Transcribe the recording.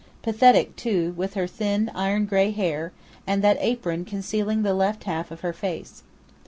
Pathetic, too, with her thin, iron grey hair, and that apron concealing the left half of her face.